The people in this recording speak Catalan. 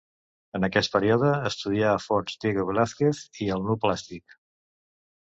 En aquest període, estudia a fons Diego Velázquez i el nu plàstic.